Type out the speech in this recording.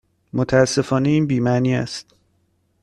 متاسفانه این بی معنی است.